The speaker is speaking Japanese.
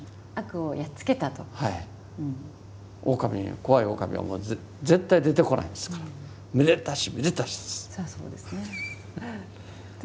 オオカミに怖いオオカミはもう絶対出てこないんですからめでたしめでたしです。